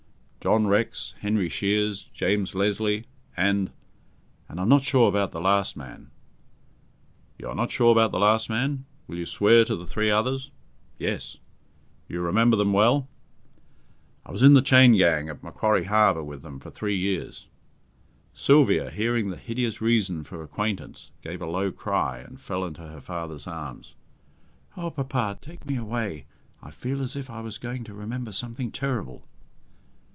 "John Rex, Henry Shiers, James Lesly, and, and I'm not sure about the last man." "You are not sure about the last man. Will you swear to the three others?" "Yes." "You remember them well?" "I was in the chain gang at Macquarie Harbour with them for three years." Sylvia, hearing this hideous reason for acquaintance, gave a low cry, and fell into her father's arms. "Oh, papa, take me away! I feel as if I was going to remember something terrible!"